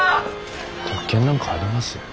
特権なんかあります？